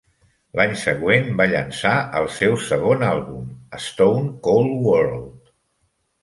L'any següent, va llançar el seu segon àlbum, "Stone Cold World".